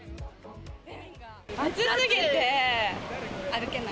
暑すぎて歩けない。